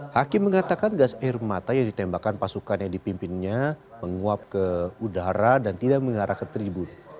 hakim mengatakan gas air mata yang ditembakkan pasukan yang dipimpinnya menguap ke udara dan tidak mengarah ke tribun